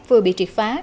vừa bị triệt phá